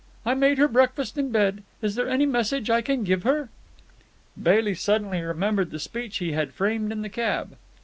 I made her breakfast in bed. Is there any message I can give her?" Bailey suddenly remembered the speech he had framed in the cab.